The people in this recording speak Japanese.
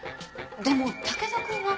でも武田君が。